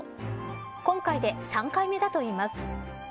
今回で３回目だといいます。